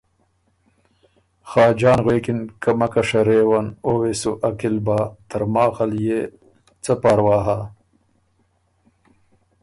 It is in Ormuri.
خاجان غوېکِن که ”مکه شرېون او وې سو عقل بۀ ترماخ ال يې څۀ پاروا هۀ؟“